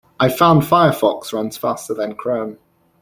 I've found Firefox runs faster than Chrome.